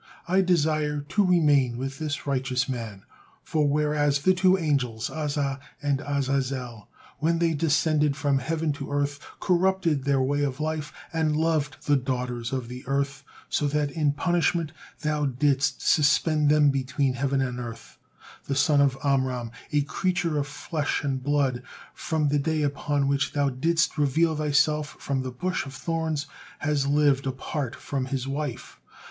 I desire to remain with this righteous man; for whereas the two angels Azza and Azazel when they descended from heaven to earth, corrupted their way of life and loved the daughters of the earth, so that in punishment Thou didst suspend them between heaven and earth, the son of Amram, a creature of flesh and blood, from the day upon which Thou didst reveal Thyself from the bush of thorns, has lived apart from his wife.